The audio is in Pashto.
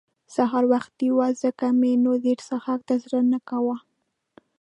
سهار وختي وو ځکه مې نو ډېر څښاک ته زړه نه کاوه.